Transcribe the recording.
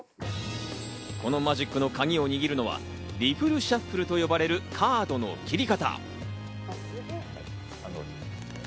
このマジックのカギを握るのはリフルシャッフルと呼ばれる、カードの切り方。